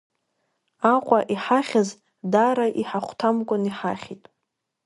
Аҟәа иҳахьыз даара иҳахәҭамкәан иҳахьит.